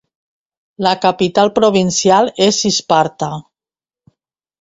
La capital provincial és Isparta.